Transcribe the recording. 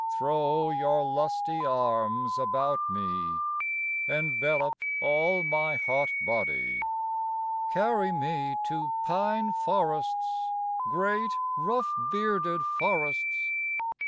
Throw your lusty arms about me... Envelop all my hot body... Carry me to pine forests Great, rough bearded forests...